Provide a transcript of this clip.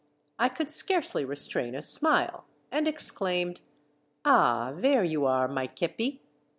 I could scarcely restrain a smile, and exclaimed, —" Ah ! There you are, my kepi."